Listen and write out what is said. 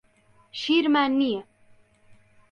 شیرمان نییە.